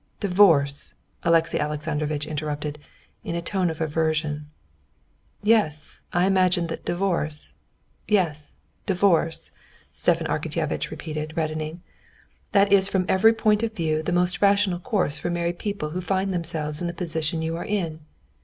"Divorce," Alexey Alexandrovitch interrupted, in a tone of aversion. "Yes, I imagine that divorce—yes, divorce," Stepan Arkadyevitch repeated, reddening. "That is from every point of view the most rational course for married people who find themselves in the position you are in.